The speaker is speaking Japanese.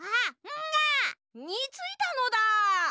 「ん」が！についたのだ。